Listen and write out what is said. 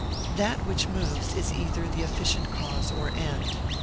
That which moves, is either the efficient cause, or end.